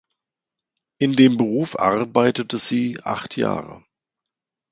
In dem Beruf arbeitete sie acht Jahre.